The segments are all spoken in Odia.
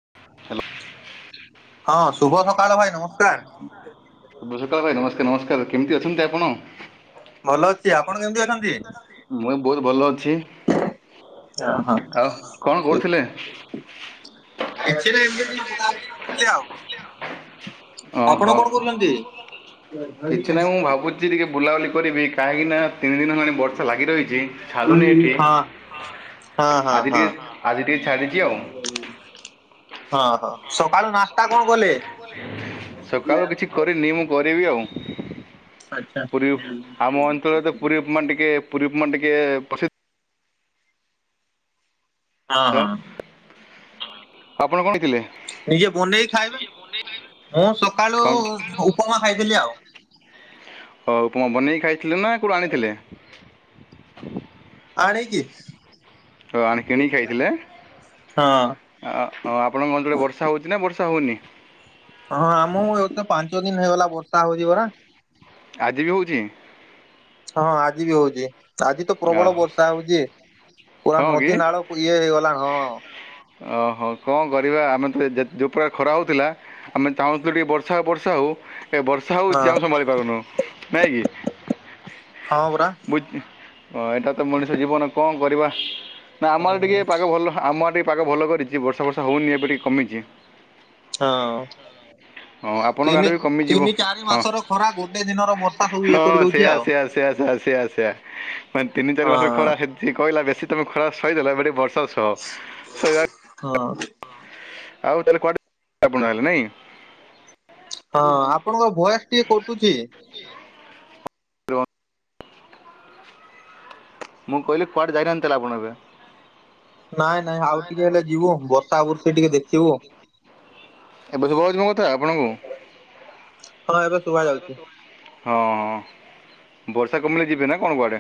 [inaudible] ହଁ ଶୁଭ ସକାଳ ଭାଇ ନମସ୍କାର। ଶୁଭ ସକାଳ ଭାଇ ନମସ୍କାର ନମସ୍କାର କେମିତି ଅଛନ୍ତି ଆପଣ? ଭଲ ଅଛି ଆପଣ କେମିତି ଅଛନ୍ତି? ମୁଇଁ ବହୁତ୍ ଭଲ ଅଛି। ହଁ ଆଉ କଣ ଠିକ। କରୁଥିଲେ? କିଛି ନାହିଁ ଏମତି ଟିକେ ବୁଲା ବୁଲି କରୁଥିଲି ଆଉ। ଆପଣ ଓହୋ କଣ କରୁଛନ୍ତି? କିଛି ନାହିଁ ମୁଁ ଭାବୁଚି ଟିକେ ବୁଲାବୁଲି କରିବି କାହିଁକି ନା ତିନି ଦିନ ହେଲାଣି ବର୍ଷା ଲାଗି ରହିଚି ହଁ ଛାଡୁନି ଏଠି। ହଁ ହଁ ଆଜି ହଁ ଟିକେ ଆଜି ଟିକେ ଛାଡିଚି ଆଉ ହଁ ହଁ ସକାଳୁ ନାସ୍ତା କଣ କଲେ? ସକାଳୁ କିଛି କରିନି ମୁଁ କରିବି ଆଉ ଆଛା। ପୁରୀ ଆମ ଅଞ୍ଚଳରେ ତ ପୁରୀ ଉପମା ଟିକେ ପୁରୀ ଉପମା ଟିକେ ପସି ହଁ ହାଲୋ ହଁ ଆପଣ କଣ ଖାଇଥିଲେ? ନିଜେ ବନେଇ ଖାଇଲୁ ମୁଁ ସକାଳୁ କଣ ଉପମା ଖାଇଥିଲି ଆଉ ହଉ ଉପମା ବନେଇକି ଖାଇଥିଲେ ନା କୋଉଠୁ ଆଣିଥିଲେ? ଆଣିକି ଓ ଆଣି କିଣିକି ଖାଇଥିଲେ? ହଁ। ଆଉ ଆପଣଙ୍କ ଅଞ୍ଚଳରେ ବର୍ଷା ହଉଚି ନା ବର୍ଷା ହଉନି? ହଁ ଆମକୁ ଏତ ପାଞ୍ଚ ଦିନ ହେଇଗଲା ବର୍ଷା ହଉଚି ପରା। ଆଜି ବି ହଉଚି? ହଁ ଆଜି ବି ହଉଚି। ଆଜି ତ ପ୍ରବଳ ଓହୋ ବର୍ଷା ହଉଚି ପୁରା ହଁ କି ନଦୀ ନାଳକୁ ଇଏ ହେଇଗଲା ହଁ। ଓହୋ କଣ କରିବା ଆମେ ତ ଯେତେ ଯୋଉ ପ୍ରକାର ଖରା ହଉଥିଲା। ଆମେ ଚାହୁଁଥିଲୁ ଟିକେ ବର୍ଷା ହଉ ବର୍ଷା ହଉ ଏ ବର୍ଷା ହଉଚି ହଁ ଆମେ ସମ୍ଭାଳି ପାରୁନୁ ନାଇଁ କି? ହଁ ପରା। ବୁଝ୍ ଅ-ଏଟା ତ ମଣିଷ ଜୀବନ କଣ କରିବା। ନା ଆମ ଆଡ଼େ ପରା। ଟିକେ ପାଗ ଭଲ। ଆମ ଆଡେ ଟିକେ ପାଗ ଭଲ କରିଚି ବର୍ଷା ଫର୍ଷା ହଉନି ଏବେ ଟିକେ କମିଚି। ହଁ। ହଁ ଆପଣଙ୍କ ଆଡ଼େ ତିନି- ବି କମିଯିବ ତିନି ଚାରି ହଁ ମାସର ଖରା ଗୋଟେ ଦିନର ବର୍ଷା ସବୁ ଇଏ ହଁ ସେୟା କରିଦଉଚି ଆଉ। ସେୟା ସେୟା ସେୟା ସେୟା ସେୟା ମାନେ ତିନି ଚାରି ହଁ ମାସରେ ଖରା ସେ କଇଲା ବେଶି ତମେ ଖରା ସଇଦଲ ଏବେ ଟିକେ ବର୍ଷା ସହ ଶୋଇବା ହଁ। ଆଉ ତାହେଲେ କୁଆଡ଼େ [unintelligible] ନାଇଁ? ହଁ ଆପଣଙ୍କ ଭଏସ୍ ଟିକେ କଟୁଚି। ମୁଁ କହିଲି କୁଆଡେ ଯାଇ ନାହାନ୍ତି ତାହେଲେ ଆପଣ ଏବେ? ନାଇଁ ଆଉ ନାଇଁ ଟିକେ ନାଇଁ ହେଲେ ଯିବୁ ବର୍ଷା ବୁର୍ଷି ଟିକେ ଦେଖିବୁ [unintelligible] ଏବେ ଶୁଭୁଚି ମୋ କଥା ଆପଣଙ୍କୁ? ହଁ ଏବେ ଶୁଭା ଯାଉଚି। ହଁ ବର୍ଷା କମିଲେ ଯିବେ ନା କଣ କୁଆଡ଼େ?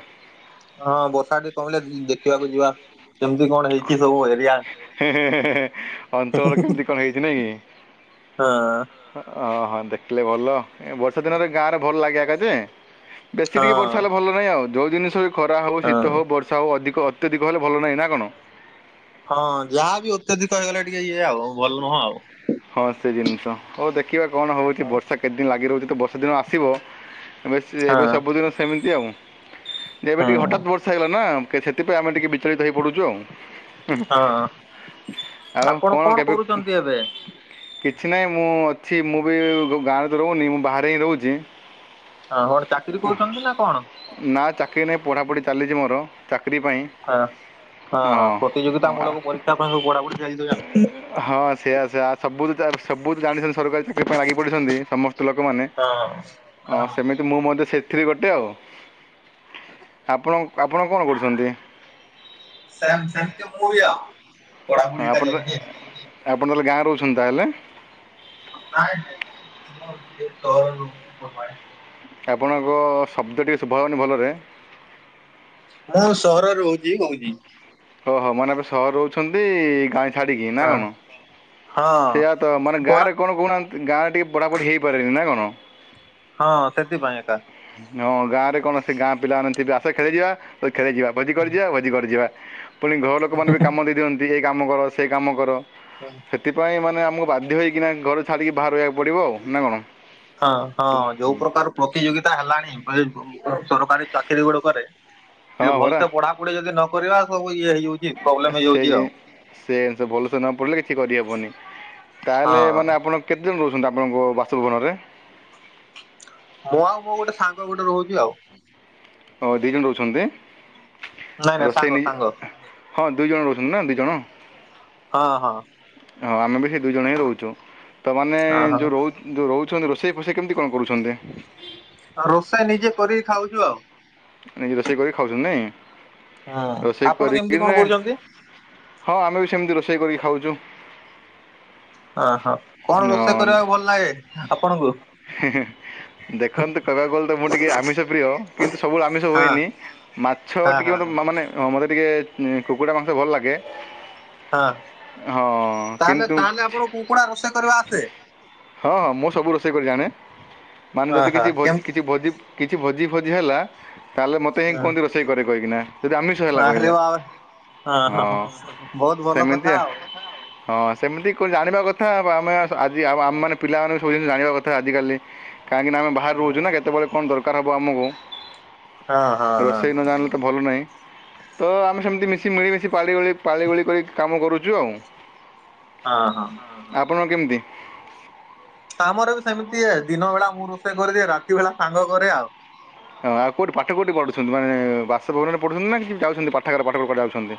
ହଁ ବର୍ଷା ଟିକେ କମିଲେ ଯି-ଦେଖିବାକୁ ଯିବା। କେମିତି କଣ ହେଇଚି ସବୁ ଏରିଆ ହୁଁ ଅଞ୍ଚଳ ହୁଁ ହୁଁ। କେମିତି କ'ଣ ହେଇଛି ହାଁ। ଓହୋ ଦେଖିଲେ ଭଲ ଏ ବର୍ଷା ଦିନରେ ଗାଁରେ ଭଲ ଲାଗେ ଏକା ଯେ ବେଶୀ ହଁ ଟିକେ ବର୍ଷା ହେଲେ ଭଲ ନାହିଁ ଆଉ। ଯଉ ଜିନଷ ଖରା ହଉ ଶୀତ ହଁ। ହଉ ବର୍ଷା ସେଉ ଅଧିକ ଅତ୍ୟଧିକ ହେଲେ ଭଲ ନାହିଁ ନା କଣ? ହଁ ଯାହାବି ଅତ୍ୟଧିକ ହେଇଗଲେ ଟିକେ ଇଏ ଆଉ ଭଲ ନୁହଁ ଆଉ। ହଁ ସେ ଜିନିଷ ହଉ ଦେଖିବା କଣ ହେଉଛି ହଁ ବର୍ଷା କେତେଦିନ ଲାଗି ରହୁଛି ତ ବର୍ଷା ଦିନ ଆସିବ। ଏବେ ଏବେ ସବୁଦିନ ସେମିତି ଆଉ। ଯେ ଏବେ ଟିକେ ହଁ ହଠାତ୍ ବର୍ଷା ହେଇଗଲା ନା ସେଥିପାଇଁ ଆମେ ଟିକେ ବିଚଳିତ ହୋଇପଡ଼ୁଛୁ ଆଉ। ହଁ ଆଉ ଆପଣ କଣ କେବେ? କରୁଛନ୍ତି ଏବେ? କିଛି ନାହିଁ ମୁଁ ଅଛି ମୁଁ ବି ଗାଁରେ ତ ରହୁନି ମୁଁ ବାହାରେ ହିଁ ରହୁଛି। ହଁ କଣ ଚାକିରି କରୁଛନ୍ତି ନା କଣ? ନା ଚାକିରି ନାହିଁ ପଢ଼ାପଢ଼ି ଚାଲିଛି ମୋର ଚାକିରରି ପାଇଁ। ହଁ ହଁ ହଁ ପ୍ରତିଯୋଗିତା ମୂଳକ ପରୀକ୍ଷା ପାଇଁ ପଢା ପଢି ଚାଲିଥିବ। ହଁ ସେଆା ସେ ସବୁ ସବୁ ତ ଜାଣିଛନ୍ତି ସରକାରୀ ଚାକିରି ପାଇଁ ଲାଗି ପଡ଼ିଛନ୍ତି ସମସ୍ତେ। ଲୋକମାନେ ଆଉ। ଅ ହଁ ହଁ ସେମିତି- ମୁଁ ମଧ୍ୟ ସେଥିରୁ ଗୋଟେ ଆଉ। ଆପଣ ଆପଣ କଣ କରୁଛନ୍ତି? [unintelligible] ପଢାପଢି ହଁ ଏକା ଆପଣ ତ ଚାଲିଛି। ଯେ। ଆପଣ ତାହେଲେ ଗାଁ ରହୁଛନ୍ତି ତାହେଲେ। [unintelligible] ଆପଣଙ୍କ ଶବ୍ଦ ଟିକେ ଶୁଭା ଯାଉନି ଭଲରେ। ମୁଁ ସହରରେ ରହୁଛି କହୁଛି। ଓହୋ ମାନେ ଏବେ ସହର ରହୁଛନ୍ତି। ଗାଁ - ଛାଡ଼ିକି ନା ହଁ କଣ? ହଁ ସେଇୟା ତ। ମାନେ ପଢା ଗାଁରେ କଣ କହୁନାହାନ୍ତି? ଗାଁରେ ଟିକେ ପଢ଼ାପଢ଼ି ହୋଇପାରେନି ନା କଣ? ହଁ ସେଥିପାଇଁ ଏକା। ହଁ ଗାଁ ରେ କୌଣସି ଗାଁ ପିଲାମାନେ ଥିବେ ଆସ ଖେଳିଯିବା ଖେଳିଯିବା ଭୋଜି କରିିଯିବା ଭୋଜି - ଘରେ ଯିବା। ପୁଣି ଘର ଲୋକମାନୋନ ବି କାମ ଦେଇ ଦିଅନ୍ତି ଏଇ କାମ କର ସେଇ କାମ କର। ହୁଁ। ସେଥିପାଇଁ ମାନେ ଆମକୁ ବାଧ୍ୟ ହୋଇକିନା ଘର ଛାଡ଼ିକି ବାହାରେ ରହିବାକୁ ପ - ପଡ଼ିବ ଆଉ ନାକଣ ହଁ ହଁ ପ ଯୋଉ ହୁଁ। ପ୍ରକାର ପ୍ରତିଯୋଗିତା ହେଲାଣି ଏ ସରକାରୀ ଚାକିରି ଗୁଡ଼ାକରେ ଟିକେ ହଁ ପରା ଭଲସେ ପଢା ଗୋଟେ ଯଦି ନକରିବା ସବୁ ଇଏ ହେଇଯାଉ ଏସେଯେ ସେ ଭଲସେ ନପଡ଼ିଲେ କିଛି କରିହବନି। ତାହେଲେ ମାନେ ଆପଣ କେତେ ଜଣ ରହୁଛନ୍ତି ଆପଣଙ୍କ ବାସଭବନରେ? ମୁଁ ଆଉ ମୋଗୋଟେ ସାଙ୍ଗ ଗୋଟେ ରହୁଚି ଆଉ। ହଁ ଦିଇ ଜଣ ରହୁଚନ୍ତି ନାଇଁ ନାଇଁ ସାଙ୍ଗ ରୋଷେଇ ନି ସାଙ୍ଗ ହଁ ଦୁଇ ଜଣ ରହୁଚନ୍ତିନା ଦିଇ ଜଣ? ହଁ ହଁ। ହଁ ଆମେବି ସେଇ ଦୁଇ ଜଣହିଁ ରହୁଚୁ ତମାନେ ହଁ ହଁ। ଯୋଉ ରହୁ ଯୋଉ ରହୁଛନ୍ତି ରୋଷେଇ ଫୋଷେଇ କେମିତି କଣ କରୁଛନ୍ତି? ରୋଷେଇ ନିଜେ କରିକି ଖାଉଚୁ ଆଉ। ନେଇକି ରୋଷେଇ କରି ଖାଉଚନ୍ତି ନାଇଁ। ହୁଁ ରୋଷେଇ ଆପଣ କରିକି କେମିତି ନା କଣ କହୁଚନ୍ତି? ହଁ ଆମେବି ସେମିତି ରୋଷେଇ କରିକି ଖାଉଚୁ। ଅଁ ହୋ କଣ ରୋଷେଇ ହଁ କରିବାକୁ ଭଲ ଲାଗେ ଆପଣଙ୍କୁ? [unintelligible] ଦେଖନ୍ତୁ କହିବାକୁ ଗଲେତ ମୁଁ ଟିକେ ଆମିଷ ପ୍ରିୟ କିନ୍ତୁ ସବୁ ଆମିଷ ହଁ ହୁଏନି ମାଛ ହଁ ହଁ ଟିକେ ମ ହଁ। ମା ମାନେ ମୋତେ ଟିକେ କୁକୁଡ଼ା ମାଂସ ଭଲ ଲାଗେ ହଁ ହଁ ତାହେଲେ କିନ୍ତୁ ତାହେଲେ ଆପଣ କୁକୁଡ଼ା କଂସା କରିବା ଆସେ? ହଁ ମୁଁ ସବୁ ରୋଷେଇ କରି ଜାଣେ ମାନେ ହଁ ଯଦି ହଁ କିଛି କେମ କିଛି ଭୋଜି କିଛି ଭୋଜି ଫୋଜି ହେଲା ତାହେଲେ ମୋତେହିଁ ହଁ କୁହନ୍ତି ରୋଷେଇ କରେ କହିକିନା। ଯଦି ଆମିଷ ହେଲା ଆରେ କହିଲେ ବାବା ହଁ ବହୁତ ଭଲ କଥା ସେମିତିଆ ଆଉ। ହଁ ସେମିତି ଜାଣିବା କଥା ଆମେ ଆଜି ଆମ ମାନେ ପିଲାମାନଙ୍କୁ ସବୁ ଜିନିଷ ଜାଣିବା କଥା ଆଜିକାଲି କାହିଁକିନା ଆମେ ବାହାରେ ହଁ ରହୁଚୁନା କେତେବେଳେ କଣ ଦରକାର ହେବ ଆମକୁ ହଁ ହଁ ରୋଷେଇ ନଜାଣିଲେ ତଭଲ ନାହିଁ ତ ଆମେ ସେମିତି ମିଶି ମିଳିମିଶି ପାଳିଗୋଳି ପାଳିଗୋଳି କରି କାମ କରୁଚୁ ଆଉ। ହଁ ହଁ। ଆପଣଙ୍କ କେମିତି? ଆମରବି ସେମିତି ଦିନ ବେଳା ମୁଁ ରୋଷେଇ କରିଦିଏ ରାତି ବେଳା ସାଙ୍ଗ କରେ ଆଉ। ହଁ ଆଉ କୋଉଠି ପାଠ କୋଉଠି ପଢୁଚନ୍ତି ମାନେ ବାସଭବନରେ ପଢୁଛନ୍ତିନା କିଛି ଯାଉଚନ୍ତି ପାଠାଗାର ପାଠ ଯାଉଛନ୍ତି?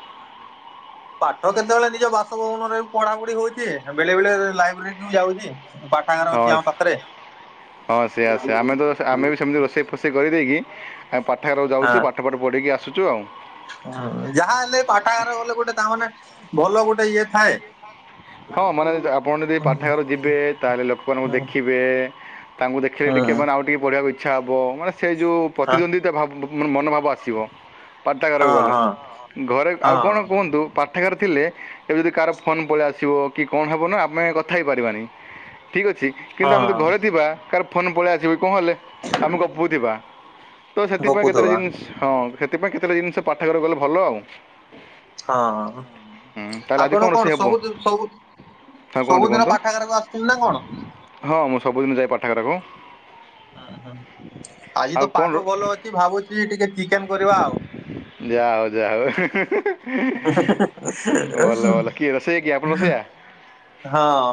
ପାଠ କେତେବେଳେ ନିଜ ବାସଭବନରେ ପଢା ପଢି ହଉଚି ବେଳେ ବେଳେ ଲାଇବ୍ରେରୀକୁ ଯାଉଚି ପା ହଁ ହଁ ସେଇଆ ସେଇଆ ଆମେତ ଆମେବି ସେମିତି ରୋଷେଇ ଫୋଷେ ସେ କରିଦେଇକି ଆମେ ପାଠାଗାରକୁ ଯାଉଚୁ ପାଠ ପାଠ ପଢ଼ିକି ଆସୁଚୁ ଆଉ। ହ ଯାହା ହେଲେ ପାଠାଗାର ଗଲେ ଗୋଟେ ତାମାନେ ଭଲ ଗୋଟେ ଇଏ ଥାଏ। ହଁ ମାନେ ଆପଣ ଯଦି ହୁଁ ପାଠାଗାରୁ ଯିବେ ତାହେଲେ ଲୋକମାନଙ୍କୁ ହୁଁ ଦେଖିବେ ତାଙ୍କୁ ଦେଖିଲେ ଟିକେ ହୁଁ ମାନେ ଆଉ ଟିକେ ପଢିବାକୁ ଇଚ୍ଛା ହବ ମାନେ ସେଯୋଉ ହଁ ପ୍ରତି୍ୱନ୍ଦ୍ୱି ଏତେବ ମନୋଭାବ ଆସିବ ପାଠାଗାରକୁ ହଁ ଗଲେ ଘରେ ହଁ ଆଉ କଣ ହଁ। କୁହନ୍ତୁ? ପାଠାଗାର ଥିଲେ ଏବେ ଯଦି କାହାର ଫୋନ୍ ପଳେଇ ଆସି ଥିବ କିକଣ ହେବନା ଆମେ କଥା ହେଇପାରିବାନି ଠିକ୍ ଅଛି କିନ୍ତୁ ଆମେ ଯଦି ହଁ ଘରେ ଥିବା କାହାର ଫୋନ୍ ପଳେଇ ଆସିବ କଣ ହେଲେ ଆମେ ଗପୁଥିବା ତ ସେଥିପାଇଁ କେତେଟା ଗପୁଥିବା ଜିନିଷ ହଁ ସେଥିପାଇଁ କେତେଟା ଜିନିଷ ପାଠଘର ଗଲେ ଭଲ ଆଉ। ହଁ ହଁ ହଁ ହୁଁ, ତା'ହେଲେ ଆଜି ଆପଣ କଣ ରୋଷେଇ ହେବ ସବୁ ସ ହଁ କୁହନ୍ତୁ ସବୁଦିନ କୁହନ୍ତୁ ପାଠାଗାରକୁ ଆସୁଚନ୍ତିନା କଣ? ହଁ ମୁଁ ସବୁଦିନ ଯାଏ ପାଠାଗାରାକୁ। ଉଁ ହୁଁ ଆଜି ଆଉ ତ କଣ ପାଗ ଭଲ ଅଛି ଭାବୁଛି ଟିକେ ଚିକେନ କରିବା ଆଉ। ଯା ହେଉ ଯା ହେଉ ଭଲ ଭଲ କିଏ ରୋଷେୟା କିଏ ଆ ହଁ।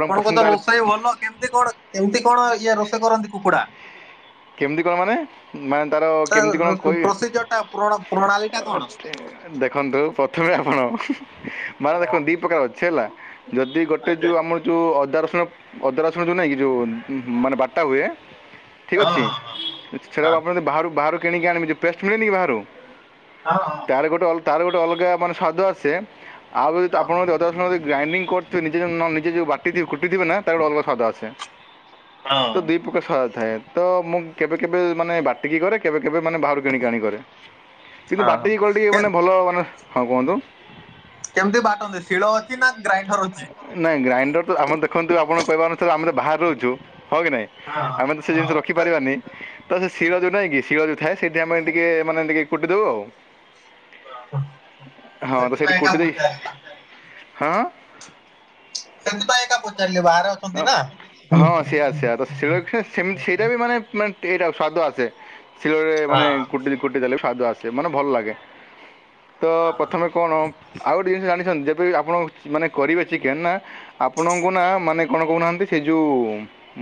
ଆପଣଙ୍କ ପସନ୍ଦ ତ ତାହେଲେ ରୋଷେଇ ଭଲ କେମିତି କଣ କେମିତି କଣ ଇଏ ରୋଷେଇ କରନ୍ତି କୁକୁଡ଼ା? କେମିତି କଣ ମାନେ? ମାନେ ତାର ତା କେମିତି କଣ କହିବି ପ୍ରୋସିଜର ଟା ପ୍ରଣାଳୀ ଟା ଅ କଣ? ଠି [unintelligible] ଦେଖନ୍ତୁ ପ୍ରଥମେ ଆପଣ [unintelligible] ଦି ପ୍ରକାର ଅଛି ହେଲା ଯଦି ଗୋଟେ ଯୋଉ ଆମର ଯୋଉ ଅଦା ରସୁଣ ଅଦା ରସୁଣ ଯୋଉ ନାଇଁ କି ଯୋଉ ଉଁ ହୁଁ ମାନେ ବାଟା ହୁଏ। ଠିକ୍ ହଁ ଅଛି ହଁ ହଁ ସେଟାକୁ ଆପଣ ଯଦି ବାହାରୁ ବାହାରୁ କିଣିକି ଆଣିବେ ଯୋଉ ପେଷ୍ଟ ମିଳେନି କି ବାହାରୁ। ଅଁ ହଁ। ତାର ଗୋଟେ ଅଲ୍ ତାର ଗୋଟେ ଅଲଗା ମାନେ ସ୍ବାଦ ଆସେ ଆଉ ଯଦି ତ ଆପଣ ଯଦି ଅଦା ରସୁଣ ଦେଇକି ଗ୍ରାଇଣ୍ଡିଙ୍ଗ କରୁ ତ ନିଜେ ନ ନିଜେ ଯୋଉ ବାଟିିଥିବେ କୁଟିଥିବେ ନା ତାର ଗୋଟେ ଅଲଗା ସ୍ୱାଦ ଆସେ ହଁ ହଁ। ତ ଦି ପ୍ରକାର ସ୍ୱାଦ ଥାଏ ତ ମୁଁ କେବେ କେବେ ମାନେ ବାଟିକି କରେ କେବେ କେବେ ମାନେ ବାହାରୁ କିଣିକି ଆଣି କରେ। କିନ୍ତୁ ହଁ ହଁ ବାଟିକି କଲେ ଟିକ କେ ମାନେ ଭଲ ମାନେ ହଁ କୁହନ୍ତୁ। କେମିତି ବାଟନ୍ତି ଶିଳ ଅଛି ନା ଗ୍ରାଇଣ୍ଡର ଅଛି? ନାଇଁ ଗ୍ରାଇଣ୍ଡର ତ ଆମର ଦେଖନ୍ତୁ ଆପଣ କହିବା ଅନୁସାରେ ଆମେ ତ ବାହାରେ ରହୁଛୁ ହଁ କି ନାଇଁ? ହଁ ଆମେ ତ ସେ ହଁ ଜିନିଷ ରଖିପାରିବାନି। ତ ସେ ଶିଳ ଯୋଉ ନାଇଁ କି ଶିଳ ଯୋଉ ଥାଏ ସେଇଥିରେ ଆମେ ଟିକେ ମାନେ ଟିକେ କୁଟିଦବୁ ଆଉ। ହଁ। ହଁ ତ ସେଇଟି ସେଥିପାଇଁ ଏକା କୁଟି ଦେଇକି ପଚାରିଲି ହଁ? ସେଥିପାଇଁ ଏଟା ପଚାରିଲି ବାହାରେ ଅ ଅଁ ହଁ ସେୟା ସେୟା ତ ଶିଳରେ ସେ ସେମିତି ସେଇଟା ବି ମାନେ ମାନ୍ ଟିକେ [unintelligible] ସ୍ଵାଦ ଆସେ ଶିଳରେ ମାନେ ହଁ। କୁଟି କୁଟି ଦେଲେ ବି ସ୍ୱାଦ ଆସ୍। ସେ ମାନେ ଭଲ ଲାଗେ। ତ ପ୍ରଥମେ କଣ ଆଉ ଗୋଟେ ଜିନିଷ ଜାଣିଛନ୍ତି ଯେବେବି ଆପଣ ମାନେ କରିବେ ଚିକେନ୍ ନା ଆପଣଙ୍କୁ ନା ମାନେ କଣ କହୁନାହାନ୍ତି। ସେ ଯୋଉ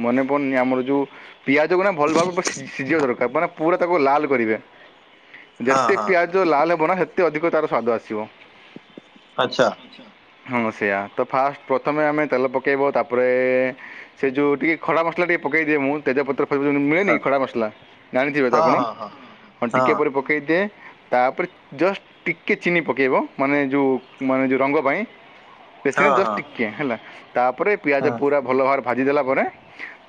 ମନେ ପଡ଼ୁନି ଆମର ଯୋଉ ପିଆଜକୁ ନା ଭଲ ଭାବରେ ପୁରା ସି-ସିଝିବା ଦରକାର ମାନେ ପୁରା ତାକୁ ଲାଲ କରିବେ। ହଁ ଯେତେ ହଁ ପିଆଜ ଲାଲ ହେବ ନା ସେତେ ଅଧିକ ତାର ସ୍ୱାଦ ଆସିବ। ଆଚ୍ଛା। ହଁ ସେୟା ତ ଫାଷ୍ଟ ପ୍ରଥମେ ଆମେ ତେଲ ପକାଇବ ତାପରେ ସେ ଯୋଉ ଟିକେ ଖଡ଼ା ମସଲା ଟିକେ ପକେଇ ଦିଏ ମୁଁ ତେଜପତ୍ର [unintelligible] ମିଳେନି କି ଖଡ଼ା ମସଲା ଜାଣିଥିବେ ତ ହଁ ଆପଣ ହଁ ହଁ ହଁ ଟିକେ ପରେ ପକେଇଦିଏ। ତା ପରେ ଜଷ୍ଟ ଟିକେ ଚିନି ପକେଇବ ମାନେ ଯୋଉ ମାନେ ଯୋଉ ରଙ୍ଗ ପାଇଁ। ବେଶୀ ହଁ ନାଇଁବ ଜଷ୍ଟ ହଁ ଟିକେ ହେଲା ତାପରେ ହଁ ପିଆଜ ହଁ ପୁରା ଭଲ ଭାବରେ ଭାଜିଦେଲା ପରେ।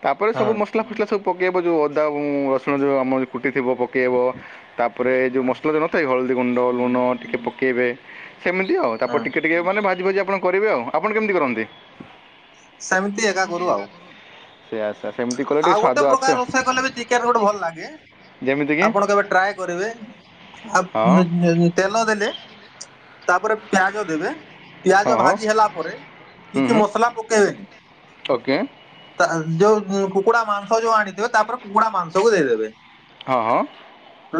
ତା ପରେ ସବୁ ହଁ ମସଲା ଫସଲା ସବୁ ପକେଇବ ଯୋଉ ଅଦା ଏବଂ ରସୁଣ ଯୋଉ [unintelligible] କୁଟି ଥିବ ପକେଇବ। ତାପରେ ଯୋଉ ମସଲା ସବୁ ନଥାଏ ହଳଦୀ ଗୁଣ୍ଡ ଲୁଣ ଟିକେ ପକେଇବେ ସେମିତି ଆଉ ତାପରେ ହଁ ଟିକେ ଟିକେ ମାନେ ଭାଜି ଭାଜି ଆପଣ କରିବେ ଆଉ ଆପଣ କେମିତି କରନ୍ତି? ସେମିତି ଏକା କରୁ ଆଉ। ସେଇଆ ସେଇଆ ସେମିତି କଲେ ଟିକେ ଆଉ ସ୍ୱାଦ ଗୋଟେ ଆସେ ପ୍ରକାର ଆଉ ରୋଷେଇ କଲେ ବି ଚିକେନ ଗୋଟେ ଭଲ ଲାଗେ। ଯେମିତିକି ଆପଣ କେବେ ଟ୍ରାଏ କରିବେ ଆପ୍ ହଁ [unintelligible] ତେଲ ଦେଲେ ତାପରେ ପିଆଜ ଦେବେ। ହଁ ପିଆଜ ହଁ ଭାଜି ହେଲା ପରେ ହୁଁ କିଛି ହୁଁ ମସଲା ପକେଇବେନି। ଓକେ ତା ଯୋଉ ଉଁ କୁକୁଡ଼ା ମାଂସ ଯୋଉ ଆଣିଥିବେ ତାପରେ କୁକୁଡ଼ା ମାଂସକୁ ଦେଇଦେବେ। ହଁ।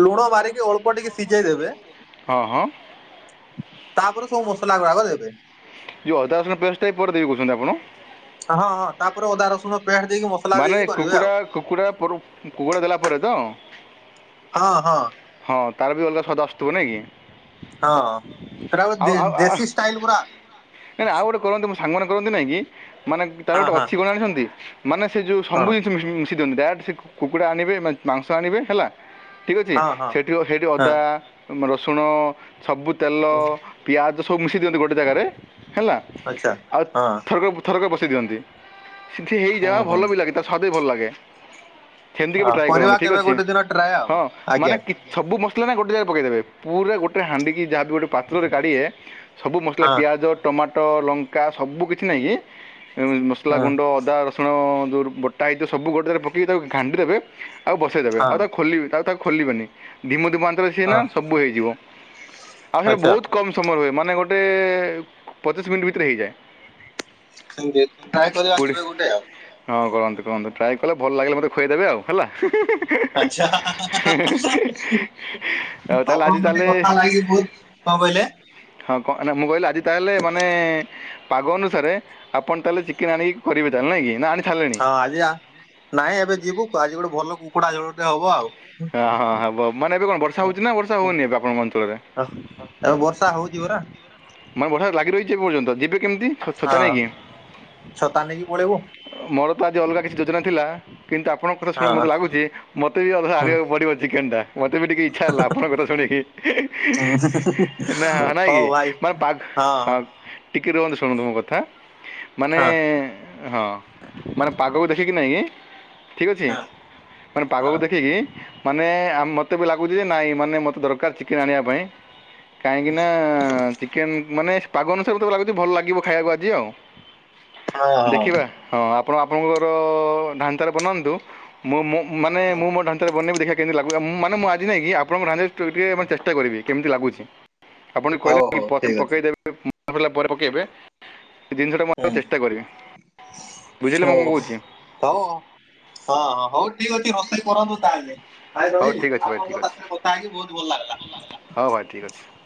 ଲୁଣ ମାରିକି ଅଳ୍ପ ଟିକେ ସିଜେଇ ଦେବେ ହଁ -ହଁ। ତାପରେ ସବୁ ମସଲା ଗୁଡାକ ଦେବେ। ଯଉ ଅଦା ରସୁଣ ପେଷ୍ଟ୍ ଟା ବି ପରେ ଦେବି କହୁଚନ୍ତି ଆପଣ? ହଁ -ହଁ ତାପରେ ଅଦା ରସୁଣ ପେଷ୍ଟ ଦେଇକି ମସ୍ ମାନେ କୁକୁଡା- କୁକୁଡା- କୁକୁଡା ଦେଲା ପରେ ତ ହଁ -ହଁ। ହଁ ତାର ବି ଅଲଗା ସ୍ୱାଦ ଆସୁଥିବ ନାଇଁ କି। ହଁ। ସେଟା ଗୋଟେ ଆଉ ଦେ -ଆଉ -ଆ ଦେଶୀ ଷ୍ଟାଇଲ ପୁରା -ଆଉ ଗୋଟେ କରନ୍ତୁ ସାଙ୍ଗମାନେ କରନ୍ତି ନାଇଁ କି ମାନେ ତାର ହଁ ଗୋଟେ ହଁ ଅଛି କଣ ଜାଣିଚନ୍ତି। ମାନେ ସେ ଯେଉଁ କଣ ସବୁ ଜିନିଷ ମିଶି ଦିଅନ୍ତି [unintelligible] ସେ କୁକୁଡ଼ା ଆଣିବେ ମାଂସ ଆଣିବେ ହେଲା ଠିକ୍ ଅଛି ହଁ ହଁ ସେଠି -ସେଠି ହଁ। ଅଦା, ରସୁଣ ସବୁ ତେଲ ପିଆଜ ସବୁ ମିଶେଇ ଦିଅନ୍ତି ଗୋଟେ ଜାଗାରେ ହେଲା ଆଚ୍ଛା ଆଉ ହଁ ଥର- ଥରକ ବସେଇ ଦିଅନ୍ତି ସେଠି ହେଇଯା ହୁଁ ହୁଁ ଭଲ ବି ଲାଗେ। ତା ସଦେଇ ଭଲ ଲାଗେ ଛେନ୍ଦିକି ବି ହଁ ଟ୍ରାଏ କରିବା କରନ୍ତୁ ଠିକ୍ କେବେ ଅଛି ଗୋଟେ ଦିନ ଟ୍ରାଏ ଆଉ ହଁ ମାନେ ଆଜ୍ଞା। ‌କି ସବୁ ମସଲା ନା ଗୋଟେ ଜାଗାରେ ପକେଇଦେବେ ପୁରା ଗୋଟେ ହାଣ୍ଡିକି ଯାହାବି ହଉ ଗୋଟେ ପାତ୍ରରେ କାଢିିବେ ସବୁ ମସଲା ହଁ ପିଆଜ, ଟମାଟୋ, ଲଙ୍କା ସବୁ କିଛି ନେଇକି ଏମିତି ମସଲା ହଁ ଗୁଣ୍ଡ ଅଦା, ରସୁଣ ଯଉ ବଟା ହେଇଥିବ ସବୁ ଗୋଟ ଜାଗାରେ ପକଇି ତାକୁ ଘାଣ୍ଟି ଦେବେ ଆଉ ବସେଇ ଦେବେ ହଁ ଆଉ ତାକୁ ଖୋଲିବେନି ତାକୁ- ତାକୁ ଖୋଲିବେନି ଧିମୁ ଧିମୁ ଆଞ୍ଚରେ ସିଏ ନା ହଁ ସବୁ ହେଇଯିବ। ଆଉ ସେଟା ଆଚ୍ଛା। ବହୁତ୍ କମ୍ ସମୟ ହୁଏ ମାନେ ଗୋଟେ ପଚିଶ୍ ମିନିଟ ଭିତରେ ହେଇଯାଏ। ସେମିତି ଟ୍ରାଏ ପଡେ। [unintelligible] ହଁ କରନ୍ତୁ କରନ୍ତୁ ଟ୍ରାଏ କଲେ ଭଲ ଲାଗିଲେ ମୋତେ ଖୁଆଇଦେବେ ଆଉ ହେଲା। ଆଚ୍ଛା। ହାଁ -ହାଁ -ହାଁ। ଆଉ ତାହେଲେ ଆଜି ଆପଣଙ୍କ ଟିକେ ତାହେଲେ କଥା ଲାଗି ବହୁତ୍ କଣ କହିଲେ ହଁ କଣ୍ -ନା ମୁଁ କହିଲି ଆଜି ତାହେଲେ ମାନେ ପାଗ ଅନୁସାରେ ଆପଣ ତାହେଲେ ଚିକେନେ ଆଣିକି କରିବେ ତାହେଲେ ନାଇଁ କି ନା ଆଣି ସାରିଲେଣି? ହଁ ଆଜି ଆ- ନାଇଁ ଏବେ ଯିବୁ ଆଜି ଗୋଟେ ଭଲ କୁକୁଡା ଝୋଳ ଟେ ହବ ଆଉ। ହଁ -ହଁ ହବ ମାନେ ଏବେ କଣ ବର୍ଷା ହଉଚି ନା ବର୍ଷା ହଉନି ଏବେ ଆପଣଙ୍କ ଅଞ୍ଚଳରେ? ଏବେ ବର୍ଷା ହଉଚି ପରା। ମାନେ ବର୍ଷା ଲାଗି ରହିଚି ଏ ପର୍ଯ୍ୟନ୍ତ ଯିବେ କେମିତି ଛ- ଛତା ନାଇଁ ହଁ କିି? ଛତା ନେଇକି ପଳେଇବୁ ମୋର ତ ଆଜି ଅଲଗା କିଛି ଯୋଜନା ଥିଲା କିନ୍ତୁ ଆପଣଙ୍କ କଥା ଶୁଣି ହଁ। ମୋତେ ଲାଗୁଚି ମୋତେ ବି ଅଲଗା ହୁଁ କରିବ ଚିକେନ୍ ଟା ମତେ ବି ଟିକେ ଇ ଇଛା ହେଲା‌ ଆପଣ କଥା ଶୁଣି କି ହୁଁ ନା- ନାଇଁ କି ହଉ ଭାଇ ମାନେ ପାଗ୍ ହଁ ଟିକେ ରୁହନ୍ତୁ ଶୁଣନ୍ତୁ ମୋ କଥା ମାନେ ହଁ। ହଁ ମାନେ ପାଗକୁ ଦେଖିକି ନାଇଁ କି ଠିକ୍ ଅଛି ମାନେ ପାଗକୁ ହଁ ଦେଖିକି ମାନେ ଆ -ମତେ ବି ଲାଗୁଚି ଯେ ନାଇଁ ମାନେ ମତେ ଦରକାର ଚିକେନ୍ ଆଣିବା ପାଇଁ। କାହିଁକି ନା ଚିକେନ୍ ମାନେ ପାଗ ଅନୁସାରେ ମତେ ତ ଲାଗୁଚି ଭଲ ଲାଗିବ ଖାଇବାକୁ ଆଜି ଆଉ। ହଁ ହଁ ଦେଖିବା ହଁ ଆପଣ ଆପଣଙ୍କର ଢାଞ୍ଚାରେ ବନାନ୍ତୁ ମୁଁ- ମୁଁ ମାନେ ହୁଁ ମୋ ଢାଞ୍ଚାରେ ବନେଇବି ଦେଖିବା କେମିତି ଲାଗୁଚି ମାନେ ମୁଁ ଆଜି ନେଇକି ଆପଣଙ୍କ ଡାଞ୍ଚାରେ ଟିକେ ଚେଷ୍ଟା କରିବି କେମିତି ଲାଗୁଚି ଆପଣ ହଉ କହିଲେ ହଉ ଠିକ ଅଛି। ପ-ପକେଇଦେବି [unintelligible] ପରେ ପକେଇବେ। ଏ ଜିନିଷଟା ମୁଁ ଆଗ ହୁଁ ଚେଷ୍ଟା କରିବି ବୁଝିଲେ ମୁଁ ହଉ କଣ କହୁଚି? ହଉ ହଁ - ହଉ ଠିକ୍ ଅଛି ରୋଷେଇ କରନ୍ତୁ ତାହେଲେ। ଭାଇ ହଉ ରହିଲି ଠିକ୍ ଅଛି ଭାଇ ଆପଣଙ୍କ ସାଥିରେ କଥା ହେଇକି ବହୁତ ଭଲ ଲାଗିଲା। ହଁ ଭାଇ ଠିକ୍ ଅଛି।